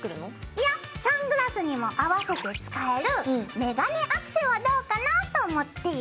いやサングラスにも合わせて使えるメガネアクセはどうかなと思って。